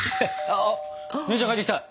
あっ姉ちゃん帰ってきた。